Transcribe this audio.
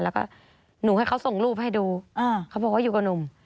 แล้วก็หนูให้เขาส่งรูปให้ดูเขาบอกว่าอยู่กับหนุ่ม